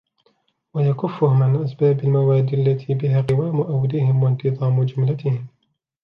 وَيَكُفُّهُمْ عَنْ أَسْبَابِ الْمَوَادِّ الَّتِي بِهَا قِوَامُ أَوَدِهِمْ وَانْتِظَامُ جُمْلَتِهِمْ